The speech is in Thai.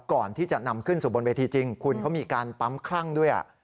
ก่อนที่จะนำขึ้นสู่บนเวทีจริงคุณเขามีการปั๊มคลั่งด้วย